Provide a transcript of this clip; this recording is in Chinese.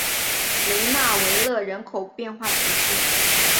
雷讷维勒人口变化图示